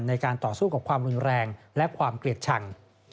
ในการต่อสู้กับความรุนแรงและความเกลียดชัง